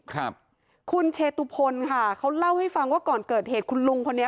ครับคุณเชตุพลค่ะเขาเล่าให้ฟังว่าก่อนเกิดเหตุคุณลุงคนนี้